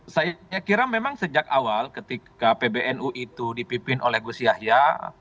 saya kira memang sejak awal ketika pbnu itu dipimpin oleh gus yahya